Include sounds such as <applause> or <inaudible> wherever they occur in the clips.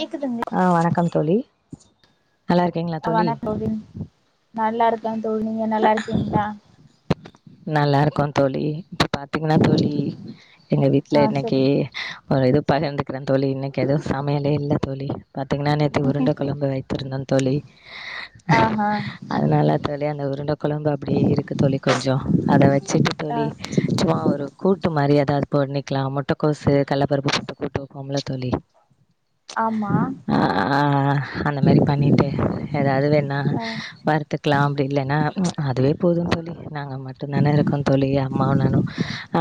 கேக்குதுங்க ஆ வணக்கம் தோழி நல்லா இருக்கீங்களா தோழி நல்லாருக் க்கந் தோழி நீங்க நல்லா இருக்கீங்களா நல்லா இருக்கோந் தோழி பாத்தீங்கன்னா தோழி எங்க வீட்ல ஆ இன்னைக்கு சொல்லுங்க ஒரு இது பயந்து க்கறந் தோழி இன்னைக் எது சமையலே இல்ல தோழி பாத்தீங்கன்னா நேந்தி உருண்ட கொழம்பு வெத்திருந்தந் தோழி ஆஹா அதனால தோழி அந்த உருண்ட கொழம்பு அப்டியே இருக்கு தோழி கொஞ்சோ அத வெச்சுட்டு ஆ தோழி சும்மா ஒரு கூட்டு மரியாத் ட்டா அது போண்ணிக்கலாம்முன்ட் முட்டக்கோஸ்சு கல்லப்பருப்புப் ப கூட்டோஃம்ல தோழி ஆமா ஆ ஆ அந்த மாதிரி பண்ணிட்டு ஏதாவது வேணா ஆ வருத்துக்கலா அப்டி இல்லைன்னா அதுவே போதுன்னு சொல்லி நாங்க நல்லா இருக்கோ தோழி அம்மாவு நானு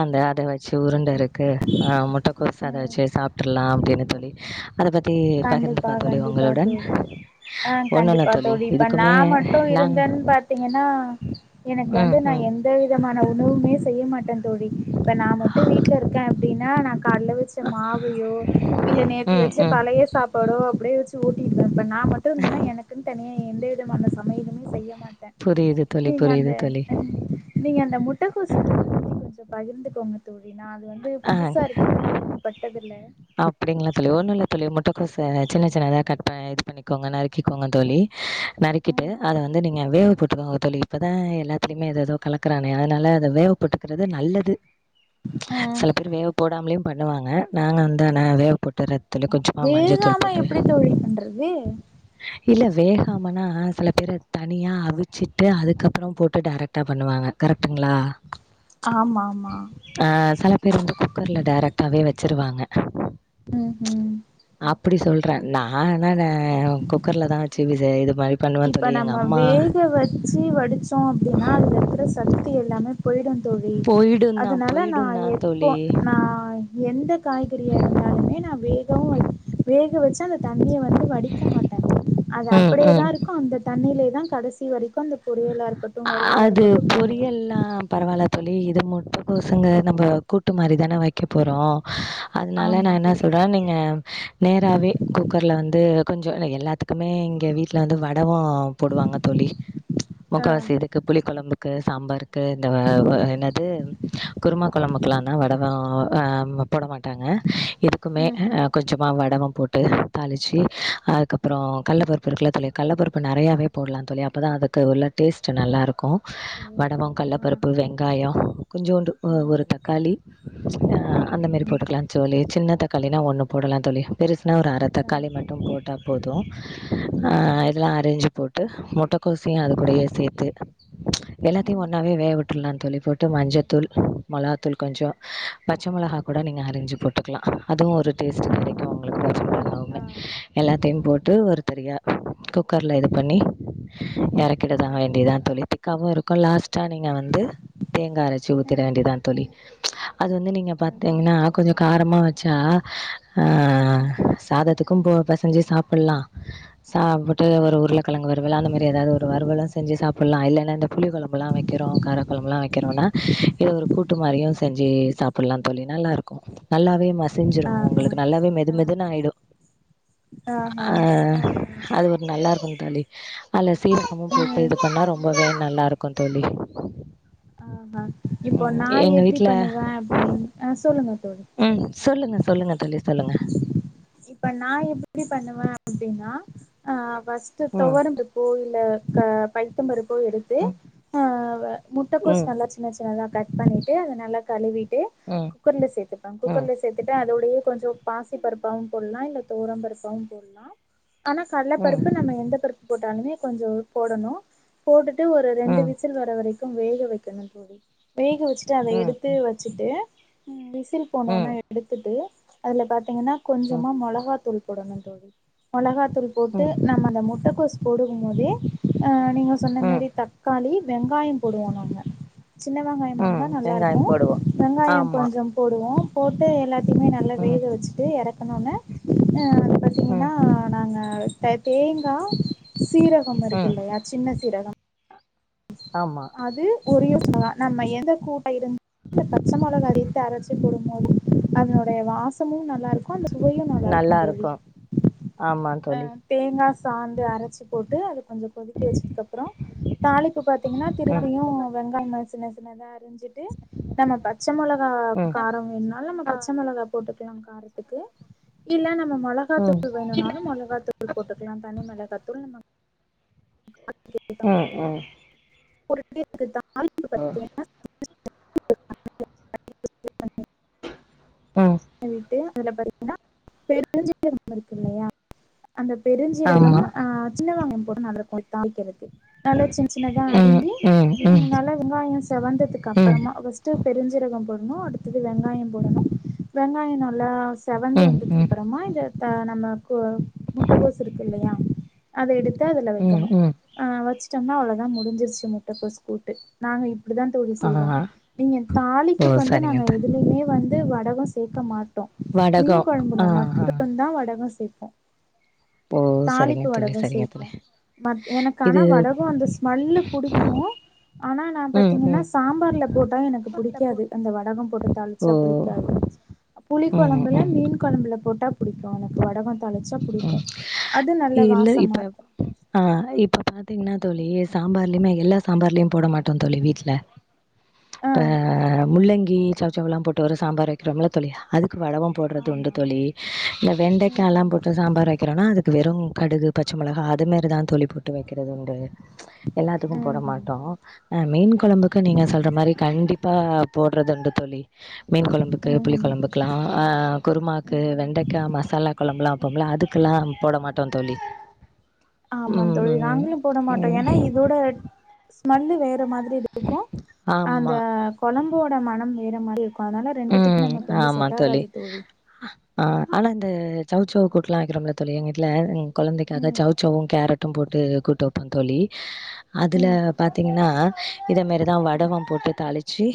அந்த அத வச்சு உருண்ட இருக்கு ஆ முட்ட தோச அத ம் வச்சு சாப்ட்ருல்லா அப்டின்னு சொல்லி கண்டிப்பா கண்டிப்பா தோழி ஆ ஒண்ணும் இல்ல கண்டிப்பா தோழி இப்ப நா இதுக்குமே மட்டு நாங்க இருந்தேன் பாத்தீங்கனா எனக்கு வந்து ம் நா ம் எந்த வித விதமான உணவுமே செய்ய மாட்டேன் தோழி இப்ப நா மட்டு வீட்ல இருக்கே அப்டின்னா நா கலைல வச்ச மாவயோ இல்ல நேத்திக்கு ம் வச்சு ம் பழைய சோ ஓ ஆப்டியே வச்சு ஓட் நா மட்டு இருந்தானா எனக்குன் தனியே எந்த விதமான ச எதுமே செய்ய மாட்டே புரியுது தோழி நீங்க புரியுது அந்த தோழி நீங்க அந்த முட்டகோசு கூட்ட பத்தி கொஞ்சோ பகிர்ந்து தங்கத்தோடு <unintelligible> நான் வந்து புதுசா இருக்கு நா கேள்விப்பட்டதில்ல அப்டிங்ளா தோழி ஒன்னு இல்ல தோழி முட்டக்கோச சின்ன சின்னதா கட் பண்ண இது பண்ணிக்கோங்க நறுக்கிக்கோங்க தோழி நறுக்கிட்டு அத வந்து நீங்க வேக போட்டுக்கோங்க தோழி இப்பதா எல்லாத்தலயுமே எது ஏதோ கலக்குறானே அதனால அத வேகப்போட்டுக்குறது நல்லது ஆ சில பேர் வேக போடாமலே பண்ணுவாங்க நாங்க வந்து ந்தா நா வேகப்போட்டுறே தோழி கொஞ்சமா மஞ்சள் தூள் விழுகாம போட்டு எப்டி தோழி பண்றது இல்ல வேகாமனா சில பிற தனியா அவிச்சிட்டு அதுக்கப்புறோ போட்டு டைரக்டாக பண்ணுவாங்க கரெக்ட் ட்டுங்ளா ஆமா ஆமா ஆ செல பேர் வந்து குக்கர்ல டைரக்டாவே வச்சிருவாங்க உம் உம் அப்டி சொல்றே நா என்ன ஆ குக்கர்ல தா ச்சி வி சி ஆய்டு இப்ப நம்ம வேக வச்சு இப்ப நம்ம வேகவச்சு வடிச்சோம் அப்படின்னா அதுல இருக்கிற சக்தி எல்லாமே போய் தோழா போயிடும் தான் அதனால போயிடும் நான் தான் எப்போ தோழி. நான் எந்த காய்கறியா இருந்தாலுமே நான் வே வே வச்சு அந்த தண்ணியை வந்து வடிக்க மாட்டேன் அது ம், ம். அப்படியேதான் இருக்கும் தண்ணிலே தான் கடைசி வரைக்கும் அந்த பொறலா இருக்கும் அது பொரியல்லாம் பரவாயில்ல தோழி இ குட் மார்னிங் சந்தோசங்க நம்ம கூட்டு மாறி தான வைப்போம் போகிறோம் அதனால ஆமா நான் என்ன தோழி சொல்கிறேன் நீங்கள் நேராகவே குக்கரில் வந்து கொஞ்சம் எல்லாத்துக்குமே இங்க வீட்டுல வந்து வட வடகம் போடுவாங்க தோழி ஆ முக்க க்கு புளி கொழம்புக்கு சாம்பரு இந்த என்னது குருமா குழம்புக்கலாம் னா வடவ ஆஹ போட மாட்டாங்க இருக்குமே ம் ம் கொஞ்சமாக வடம்ப போட்டு தாளித்து அதுக்கப்புறம் கடலைப்பருப்பு இருக்குல தோழி கடப்பருப்பு நிறையாவவே போடலாம் தோழி அப்போ தான் அதுக்கு உள்ள டேஸ்ட் கொஞ்சம் நல்லாயிருக்கும் ஓஹோ வடமம் கல்ல ஆ ப்பருப்பு வெங்காயம் கொஞ்சோண்டு ம் ஒரு தக்காளி ஆஹ அந்த மாரி ம் போட்டுக்கலாம் தோழி சின்ன தக்காளி ஒன்னு போடலாம் தோழி பெருச இனா ஒரு அரை ஆ தக்காளி மட்டும் போட்டா போதும் ஆ ஆஹ் இதெல்லாம் அரஞ்சு போட்டு முட்டைக்கோசையும்யும் அது கூடயே சேர்த்த இது எல்லாத்தையும் ம் ஒன்னாவே வேக விடு ட்ருலாந் தோழி போட்டு மஞ்சத்தூள் மொளகாத்தூள் கொஞ்சோ பச்ச மொளகா கூட நீங்க அரிஞ்சு போட்டுக்கலா அதுவு ஒரு டேஸ்ட்டு ஆ கெடைக்கு உங்களுக்கு ஆ <inaudible> எல்லாத்தையும் போட்டு ஒரு பெரிய குக்கர்ல இது பண்ணி எறக்கிடதா ஆ வேண் டியதுதா தோழி திக்காவு இருக்கு லாஸ் ட்டா நீங்க வந்து தேங்கா அரைச்சு ஊத்திட ம் வேண்டியதுதா தோழி அது வந்து நீங்க ஆ பாத்தீங்கன்னா ஆ கொஞ்ச காரமா வச் சா ஆ சாதத்துக்கு போ பெசஞ்சு சாப்பட்லா சாப்புட்டு ஆ ஒரு உருளக்கெழங்கு வறுவலு அந்த மாரி எதாவது ஒரு வறுவலு வச்சு சாப்பட்லா இல்லன்னா இந்த புளி கொழம்பு எல்லா வைக்கிறோ கார கொழம்பல்லா வைக்கிறோன்னா இத ஒரு கூட்டு மாரியு செஞ்சு சா ப்பட்லா தோழி நல்லா இருக்கு நல்லாவே ம சிஞ்சிரு ஆஹா உங்களுக்கு நல்லாவே மெதுமெது னு ஆயிடு ஆஹா ஆ அது ஒரு நல்லா இருக்கு தோழி அதுல சீரகமு போட் ம் பண்ணா ரொம்பவே நல்லா இருக்குந் தோழி ஆ ஹா இப்போ ம் நா எங்க எப்டி வீட்ல பண்ணுவே அப்பிடின் ஆ சொல்லுங்க தோழி ம் சொல்லுங்க சொல்லுங்க தோழி சொல்லுங்க இப்ப நா எப்பிடி பண்ணுவே அப்டின்னா ஆ ஃபஸ்ட்டு ம் தொவரம்பருப்பு இல் ல க பயத்தம்பருப் போ எடுத்து ஆ முட்டக்கோஸ் ம் நல்லா சின்ன சின்னதா கட் பண்ணிட்டு அத நல்லா கழுவி ட்டு ம் குக்கர்ல சேத்துப்பே ம் ம் குக்கர்ல சேத்துட்டு அத அதோடயே கொஞ்சோ பாசிப்பருப்பாவு போட்லா இல்ல துவரம்பருப்பாவு போட்லா ஆனா கல்ல பருப்பு நம்ம எந்த பருப் போட்டாலுமே கொஞ்சோ போடணு போட்டுட் டு ஒரு ம் ரெண்டு ம் விசில் வர வரை வேக வைக்கணும் தோழி வேக வச்சுட்டு அதை ம் எடுத்து வச்சுட்டு உம் விசில் ம் போனோன ம் எடுத்துட்டு அதுல பாத்தீங்கன்னா ம் கொஞ்சமா மிளகா தூள் போடனும் தோழி மிளகாத்தூள் போட்டு ம் நம்ம அந்த முட்டை கோஸ் போடும் போதே நீங்க சொன்ன ம் மாரி தக்காளி வெங்காயம் போடுவோம் நாங்க சின்ன வெங்காயமா ம் இருந்தா வெங்காயோ நல்லாயிருக்கும் போடுவோ வெங்காயம் ஆமா கொஞ்சம் போடுவோம் போட்டு எல்லா த்தமே நல்ல ம் வேக வச்சுட்டு இற அதனால பாத்தீங்கன்னா ந ம் நாங்க தேங்காய் சீரகம் இருக்கு ம் இல்லையா சின்ன சீரகம் ஆமா அது உரியா நம்ம எந்த கூட்டை இருந்து பச்சை மிளகா எடுத்து அரைச்சி போடும்போது அதனுடைய வாசமும் நம் நல்ல இருக்கும் அந்த சுவையும் நல்ல நல்லா இருக்கும் தோழி இருக்கு ஆமா தோழி ஆஹ் தேங்காய் சாந்து அரைச்சு போட்டு அதை கொஞ்சம் கொதிக்க வச்சதுக்கு அப்புறம் தாளிப்பு பார்த்தீங்கன்னா ம் திருப்பியும் வெங்காய மசின ம் செஞ்சுட்டு நம்ம பச்சை மிளகா ம் ம் காரம் வேணும்னாலும் நம்ம பச்சை மிளகா போட்டு காரத்துக்கு இல்ல நம்ம ம் மிளகாத்தூள் வேணும்னாலும் மிளகாத்தூள் போட்டுக்கலாம் தனி மிளகாத்தூள் நம்ம உஹும் உம் தான் ஆஹ் <inaudible> ம் என் வீட்டு பாத்தீங்கன்னா பெருஞ்சீரகம் இருக்கு இல்லையா அந்த பெருஞ்சீரகம் ஆமா அஹ் சின்ன வெங்காயம் நல்லா போட்டு தாளிக்கனும் நல்லா சின்ன வெங்காயம் ம் அரிஞ்சு ம் ம் ம் நல்லா வெங்காயம் செவந்ததுக்கு அப்புறமா பர்ஸ்ட்டு பெருங்காயம் போடணும் அடுத்தது வெங்காயம் போடணும் வெங்காயம் நல்லா செவந்து ம் வந்ததுக்கு ம் அப்புறமா இதை நம்ம முட்டைகோசு இருக்குலயா அதை எடுத்து அதுல ம் வைக்கணும் ம் வச்சட்டோம்னா அவ்வளவு தான் முடியும் முடிஞ்சியிருச்சி முட்டை கோஸ் கூட்டு நாங்க அப்படி தான் தோழி ஆ செய்வோம் நீங்க ஓ தாளிப்புக்கு வந்து சரிங்க நாங்க த எதுலயுமே வந்து வடகம் சேர்க்க மாட்டோம் வடகோ மீன் ஆ குழம்புல ஆ மட்டும்தான் வடகம் சேர்ப்போம் க் ஓ சரிங்க தோழி சரிங்க தோழி மத் இது பிடிக்கும் ஆனா ம் பாத்தீங்கன்னா ம் சாம்பார்ல போட்டா எனக்கு பிடிக்காது அந்த வடகம் போட்டு ஓ தாளிச்சா பிடிக்காது புளி ம் குழம்புல ம் மீன் குழம்பு போட்டா பிடிக்கும் எனக்கு வடகம் ம் பிடிக்கும் அது நல்ல இல்ல வாசமா இப்ப இருக்கும் ஆ இப்ப பாத்தீங்கன்னா தோழி சாம்பார்லேயுமே எல்லா சாம்பார்லேயும் போட மாட்டோம் சொல்லி வீட்டல ஆ ஹ முள்ளங்கி சவுச்சவுயெல்லாம் போட்டு சாம்பார் வைக்கிறோம்ல தோழி வடகம் போடுறது உண்டு ஆமா தோழி இந்த வெண்டைக்க எல்லாம் ம்ஹும் போட்டு சாம்பார் வைக்கிறோனா அது வெறும் கடுகு பச்சை மிளகாய் அதுமாரிதான் தோழி போட்டு வைக்க வைக்கிறது உண்டு எல்லாத்துக்கும் போட ம்ஹும் மாட்டோம் ஆ மீன் குழம்புக்கு நீங்க சொல்ற மாதிரி கண்டிப்பா போடுறது உண்டு தோழி மீன் குழம்புக்கு புளி ம்ஹும் குழம்புக்கெல்லாம் அஹ் குருமாக்கு ம்ஹும் வெண்டைக்காய் மசாலா குழம்புலாம் ந அதுக்குலா போட மாட்டோ தோழி ஆமா தோழி நாங்களு போட மாட்டோ ஏன்னா இதோட ஸ்மெல்லு வேற மாதிரி துக்கு அந்த ஆமாம் கொல கொழம்போட மனம் வேற மாரி இருக் அதனால ரெண்டுத்துக்கு ம். நமக்கு வந்து ஆமா செட் ஆகாது தோழி ஆ ஆனா இந்த சவ்சவ் கூட்டுலா வைக்கிறோம்ல தோலி எங் வீட்டுல கொழந்தைக்காக ம் சௌச்சவு கேரட்டு போட்டு கூட்டு வப்பே தோழி அதுல ம் பாத்தீங்கன்னா இத மாரிதா ம் வடகோ போட்டு தாளிச்சு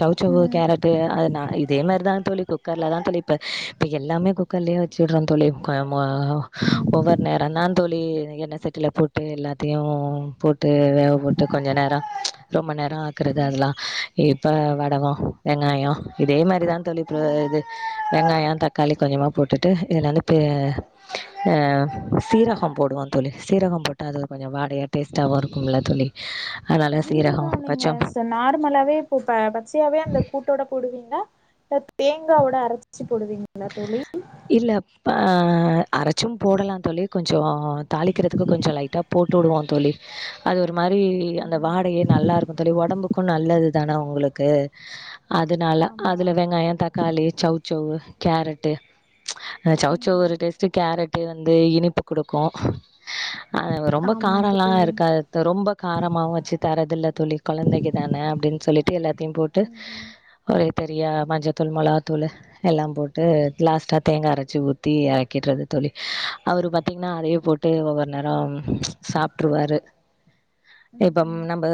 சௌச்சவு ம் கேரட் நா இதே மாரிதா தோழி குக்கர்ல தா தோழி இப்ப இப்ப எல்லாமே குக்கர்லயே வச்சுட்றே தோழி மா ஒவ்வொரு நேரோநா தோழி எண்ண சட்டில போட்டு எல்லாத்தையு போட்டு வேக போட்டு கொஞ்ச நேரோ ரொம்ப நேர தா ஆக்குறது ம் அதெல்லா எப் ப்ப வடகோ வெங்காயோ இதே மாரிதா தொளிப்பு ம் இது வெங்காயோ தக் களி கொஞ்சமா போட்டுட்டு இதுநலுப்பு ஆ சீரகோ போடுவோ தோளி சீரகோ போட்டா அது கொஞ்ச வாடையா டேஸ்ட்டாவு இருக்கும்ல தோழி அதனால சீரகோ நீங்க பச்ச நார்மலாவே இப்போ பச்சையாவே அந்த கூட்டோட போடுவீங்களா இல்ல தேங்காவோட அரச்சு போடுவீங்களா தோழி போடலா தோலி கொஞ்சோ தாளிக்கிறதுக்கு கொஞ்ச லைட்டா போட்டு விடுவோ தோழி அது ஒரு மாரி அந்த ம்ஹும் வாடயே நல்லா இருக்கு தோழி ஒடம்புக்கு நல்லது தானே உங்களுக்கு கு அதனால ஆமா அதில வெங்காயோ தக்காளி சௌசௌவு கேரட்டு ச் அ சௌச்சௌவ் ம்ஹும் ஒரு டேஸ்ட்டு கேரட் பு வந்து இனிப்பு குடுக்கு அ ரொம்ப ஆமா காரோலா தோழி இருக்காத் ரொம்ப காரமாவு வச்சு தரதகல்ல தோளி கொழந்தைக்கு தான அப்டின்னு சொல்லிட்டு எல்லாத்தையு போட்டு ம்ஹும் ஒரு பெரியா மஞ்சத்தூள் மிளகாத்தூள் எல்லா போட்டு க்ளாஸ் டா தேங்கா அரச்சி ஊத்தி அறக்கிட்றது தோழி அவரு பாத்தீங்கன்னா அதயே போட்டு ஒவ்வொரு நேரோ சாப்ட்ருவாரு இப்பம் ம்ஹும் நம்ம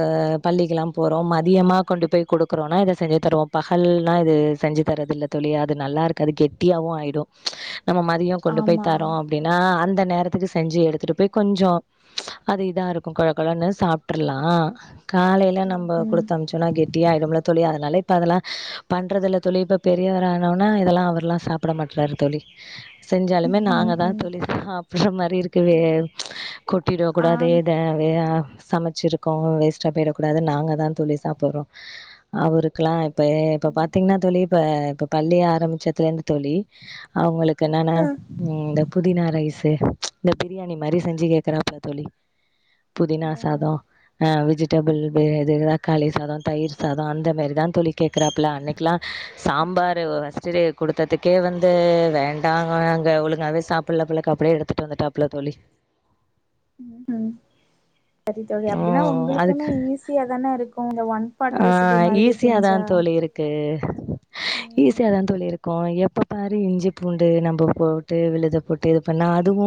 பள்ளிக்கெல்லா போறோம் மதியமா கொண்டு போய் குடுக்குறோன்னா இத செஞ்சி தருவோப்பா ஹல்னா இது செஞ்சி தரதில்ல தோழி அது நல்லா இருக்காது கெட்டியாவு ஆயடு நம்ம மதியோ கொண்டு போய் ஆமா தரோ அப்பிடின்னா அந்த நேரத்துக்கு செஞ்சி எடுத்துட்டு போய் கொஞ்சோ அது இதா இருக்கு கொழ கொழன்னு சாப்ட்ரலா காலையிலா ஆம் நம்ம குடுத்த அம்ச்சோனா கெட்டியா ஆயிடும்மில்ல தோழி அதனால இப்ப அதெல்லா பண்றதுல்ல தோழி இப்ப பெரியவரா ஆனவனா இதெல்லா அவரல்லா சாப் ப்பட மாட்டராரு தோழி செஞ்சாலுமே நாங்கதா ம் தோழி சாப்பற மாரி இருக்கு வே கொட்டிட கூடாதே ஆம் த வே சமைச்சிருக்கோங்க வேஸ்ட்டா போயிடக் கூடாது நாங்கதா தோழி சாப்பறோ அவருக்கெல்லா இப்பே இப்ப பாத்தீங்கன்னா தோழி இப்ப இப்ப பள்ளிய ஆரம்பிச்சத்துலந்து தோழி அவுங்களுக் க்கு நான இந்த புதினா ரைஸ் தே இந்த பிரியாணி மாரி செஞ்சி கேக்குறாங்க தோழி அ புதினா சாதோ ஆ வெஜி டேபிள் வே இது தக்காளி சாதோ தயிர் சாதோ அந்த மாரிதா தோழி கேக்குறாப்ல அன்னிக்கலா சாம்பாரு ஃபஸ்ட்டு்டே குடுத்து த்ததுக்கே வந்து வேண்டாங்க ஒழுங்காவே சாப்பில கப்பிலே அப்டியே எடுத்துட்டு வந்துட்டா அப்புல தோழி ம் ம் சரி தோழி அப்பிடின்னா ம் உங்களுக்குமே அதுக்கு ஈஸியா தான இருக்கு இந்த ஒன் பாட் ஆ ரெசிபி மாதிரி ஈஸியாதா செஞ்சா தோழி இருக்கு ம் ஈஸியாதா தோழி இருக்கு எப்ப பாரு இஞ்சி பூண்டு நம்ம போட்டு விழுத போட்டு இது பண்ணா அதுவு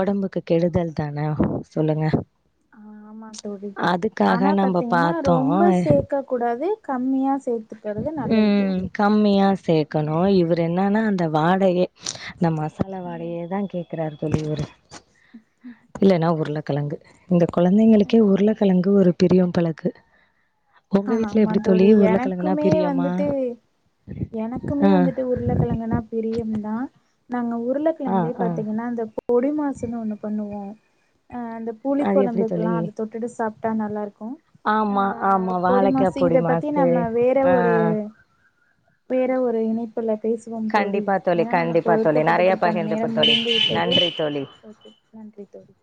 ஒடம்புக்கு கெடுதல்தான சொல்லுங்க ஆ ஆமா தோழி அதுக்காக ஆனா நம்ம பாத்தீங்கன்னா ரோ பாத்தோ ரொம்ப சேக்க கூடாது கமியா ம் கம்மியா சேக்கணு இவரு என் என்னன்னா அந்த வாடையே இந்த மசாலா வாடையேதா கேக்குறாரு தோழி இவுரு இல்லன்னா உருளக்கெழங்கு இந்த கொழந்தைங்களுக்கே உருளக்கெழங்கு ஒரு பிரியம் போல இருக்கு உங்க வீட்ல எப்டி தோழி உருளக்கெழங்குனாப் மே வந்துட்டு எனக்குமே ஆ வந்துட்டு உருளக்கெழங்குனா பிரியம் தா நாங்க உர் ஆ உருளக்கெழங்குலயே ஆ பாத்தீங்கன்னா அந்த பு பொடி மாசுன்னு ஒண்ணு பண்ணுவோ அ அந்த புளிக் அது எப்டி தோழி கொழம்புக்கெல்லா அத தொட்டுட்டு சாப் டா நல்லா இருக் ஆமா ஆமாவா பொடி மாஸ்சு இத பத்தி நம்ம வேற ஒரு வேற ஒரு இணைப் ப்புல பேசுவோம் தோழி கண்டிப்பா ஏன்னா நமக்கு கண்டிப்பா தோழி நெறைய ஒதுக்கப்பட்டதிற்கான பகிர்ந்துப்போ நேரம் தோழி முடிந்து விட்டது நன்றி தோழி ஓகே நன்றி தோழி